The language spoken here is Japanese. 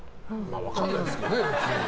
分かんないですけどね、別に。